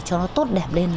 cho nó tốt đẹp lên